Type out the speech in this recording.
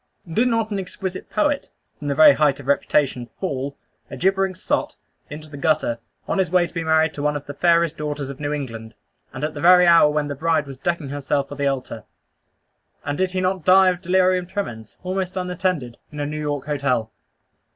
Did not an exquisite poet, from the very height of reputation, fall, a gibbering sot, into the gutter, on his way to be married to one of the fairest daughters of New England, and at the very hour when the bride was decking herself for the altar; and did he not die of delirium tremens, almost unattended, in a New York hotel?